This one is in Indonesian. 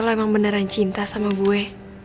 lo emang beneran cinta sama gue